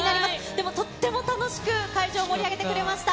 でもとっても楽しく、会場を盛り上げてくれました。